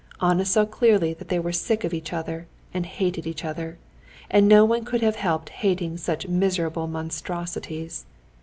Anna saw clearly that they were sick of each other, and hated each other. And no one could have helped hating such miserable monstrosities.